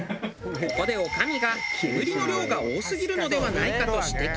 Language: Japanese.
ここで女将が煙の量が多すぎるのではないかと指摘。